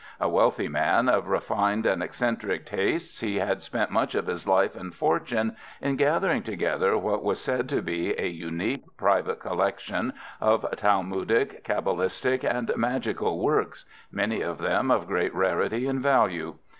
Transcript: A wealthy man of refined and eccentric tastes, he had spent much of his life and fortune in gathering together what was said to be a unique private collection of Talmudic, cabalistic, and magical works, many of them of great rarity and value.